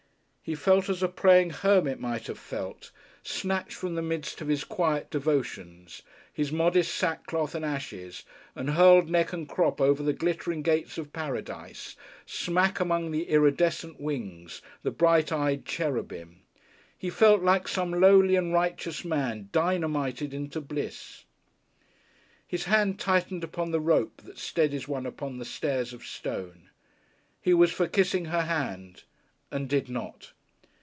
He felt as a praying hermit might have felt, snatched from the midst of his quiet devotions, his modest sackcloth and ashes, and hurled neck and crop over the glittering gates of Paradise, smack among the iridescent wings, the bright eyed Cherubim. He felt like some lowly and righteous man dynamited into Bliss.... His hand tightened upon the rope that steadies one upon the stairs of stone. He was for kissing her hand and did not.